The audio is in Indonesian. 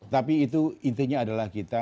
tapi itu intinya adalah kita